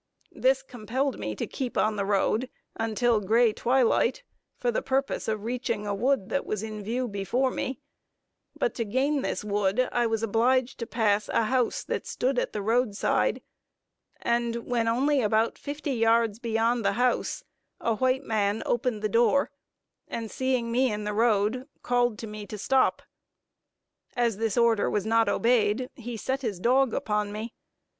This compelled me to keep on the road, until gray twilight, for the purpose of reaching a wood that was in view before me; but to gain this wood I was obliged to pass a house that stood at the road side, and when only about fifty yards beyond the house, a white man opened the door, and seeing me in the road, called to me to stop. As this order was not obeyed, he set his dog upon me.